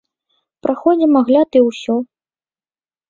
Праходзім агляд і ўсё.